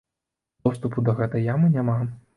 Доступу да гэтай ямы няма.